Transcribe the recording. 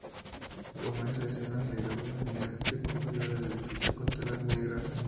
Como esa escena se grabó de día, se cubrió el edificio con telas negras.